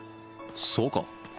そうか？